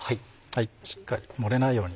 しっかり漏れないように。